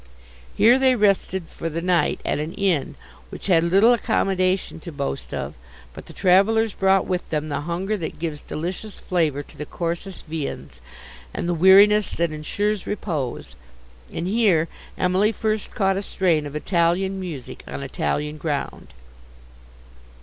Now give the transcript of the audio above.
Here they rested for the night at an inn, which had little accommodation to boast of; but the travellers brought with them the hunger that gives delicious flavour to the coarsest viands, and the weariness that ensures repose; and here Emily first caught a strain of Italian music, on Italian ground.